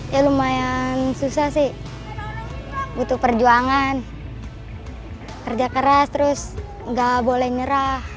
ya lumayan susah sih butuh perjuangan kerja keras terus nggak boleh nyerah